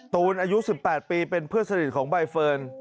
ตูนอายุ๑๘ปีเป็นเพื่อนสนิทของใบเฟิร์น